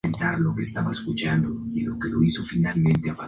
Fue discípula de Alfredo Palacios.